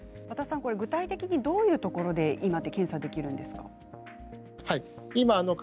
具体的にどういうところで今、検査ができるんですか？